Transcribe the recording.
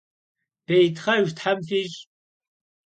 Bêytxhejj them fiş'!